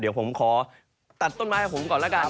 เดี๋ยวผมขอตัดต้นไม้ให้ผมก่อนแล้วกัน